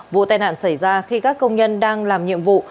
vụ tai nạn xảy ra khi các công nhân đang làm nhiệm vụ